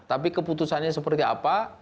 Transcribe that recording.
tapi keputusannya seperti apa